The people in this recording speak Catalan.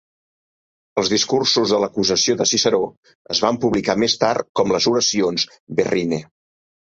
Els discursos de l'acusació de Ciceró es van publicar més tard com les "Oracions Verrine".